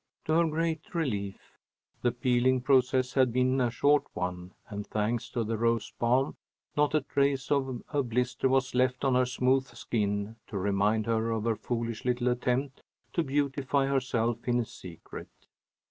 To her great relief the peeling process had been a short one, and thanks to the rose balm, not a trace of a blister was left on her smooth skin to remind her of her foolish little attempt to beautify herself in secret.